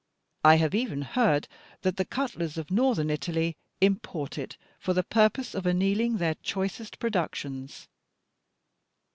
I have even heard that the cutlers of Northern Italy import it, for the purpose of annealing their choicest productions.